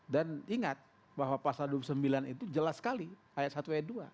dan ingat bahwa pasal dua puluh sembilan itu jelas sekali ayat satu ayat dua